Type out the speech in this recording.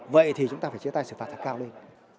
vậy thì chúng ta phải chia tay xử phạt thật cao lên